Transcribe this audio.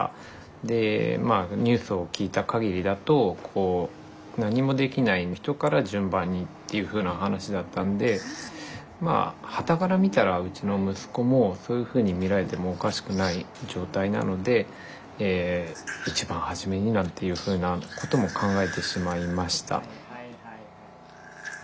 でニュースを聞いた限りだと何もできない人から順番にっていうふうな話だったんでまあはたから見たらうちの息子もそういうふうに見られてもおかしくない状態なので一番初めになんていうふうなことも考えてしまいました。